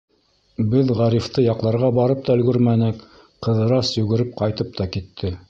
Беҙ Ғарифты яҡларға барып та өлгөрмәнек, Ҡыҙырас йүгереп ҡайтып та китте.